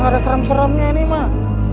gak ada serem seremnya ini mah